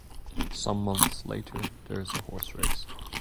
Some months later, there is a horse race.